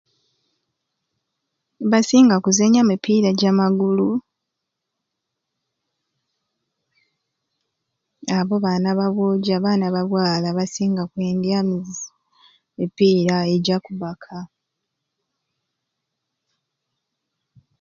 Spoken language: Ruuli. Basinga kuzenya mipiira j'amagulu abo baana ba bwojjo, abaana ba bwala basinga kwendya misi mipiira ejja kubaka.